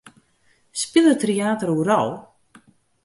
Spilet Tryater oeral?